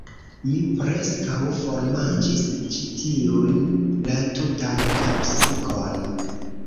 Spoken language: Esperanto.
Mi preskaŭ formanĝis ĉi tiun, la tutan kapsikon.